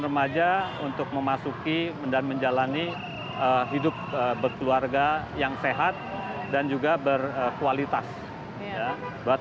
remaja untuk memasuki dan menjalani hidup berkeluarga yang sehat dan juga berkualitas ya buat